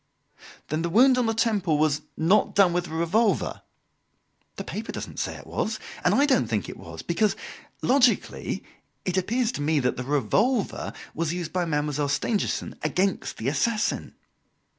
"Then the wound on the temple was not done with the revolver?" "The paper doesn't say it was, and I don't think it was; because logically it appears to me that the revolver was used by Mademoiselle Stangerson against the assassin.